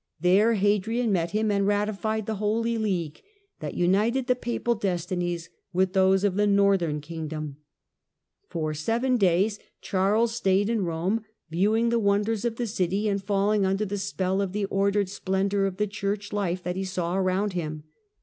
There Hadrian met him and ratified the " Holy League " that united the Papal destinies with those of the northern kingdom. For seven days Charles stayed in Pome, viewing the wonders of the city and falling under the spell of the ordered splendour of the Church life that he saw around him.